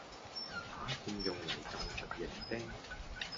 打算用嚟撳實營釘